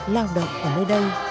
lao động ở nơi đây